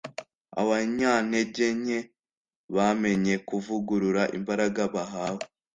abanyantegenke bamenye kuvugurura imbaraga bahawe,